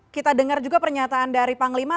kita dengar juga pernyataan dari panglima